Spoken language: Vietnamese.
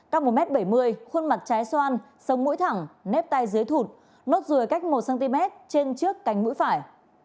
cao một m bảy mươi khuôn mặt trái xoan sống mũi thẳng nếp tay dưới thụt nốt ruồi cách một cm trên trước cánh mũi phải